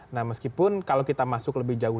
nah meskipun kalau kita masuk lebih jauh